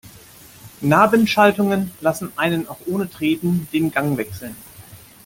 Nabenschaltungen lassen einen auch ohne Treten den Gang wechseln.